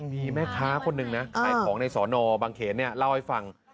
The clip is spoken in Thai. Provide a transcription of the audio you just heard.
มีแม่ค้าคนหนึ่งนะใครของในสนบางเขนเนี่ยเล่าให้ฟัง